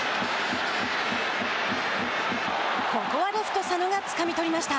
ここはレフト佐野がつかみ捕りました。